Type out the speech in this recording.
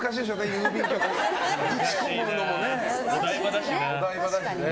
郵便局をお台場だしな。